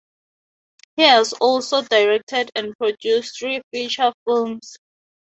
He has also directed and produced three feature films.